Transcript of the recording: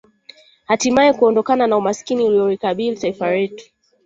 Hatimae kuondokana na umaskini unaolikabili taifa letu